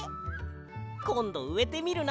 こんどうえてみるな。